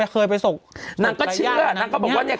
เคยไปศพนางก็เชื่อ